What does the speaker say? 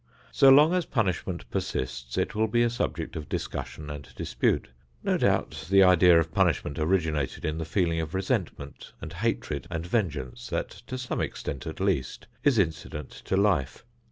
So long as punishment persists it will be a subject of discussion and dispute. No doubt the idea of punishment originated in the feeling of resentment and hatred and vengeance that, to some extent at least, is incident to life.